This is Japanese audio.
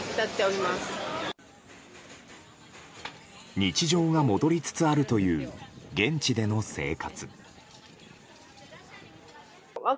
日常が戻りつつあるという現地での生活。